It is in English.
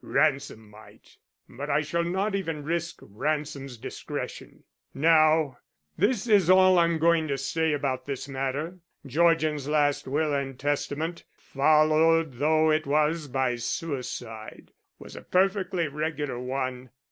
Ransom might, but I shall not even risk Ransom's discretion. Now this is all I am going to say about this matter. Georgian's last will and testament, followed though it was by suicide, was a perfectly regular one.